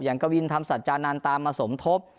อย่างกะวินธรรมสัจจานานตามมาสมทบ